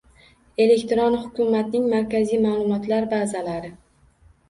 Elektron hukumatning markaziy ma’lumotlar bazalari